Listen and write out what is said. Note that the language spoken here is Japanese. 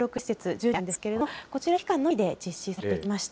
あるんですけれども、こちらの医療機関のみで実施されてきました。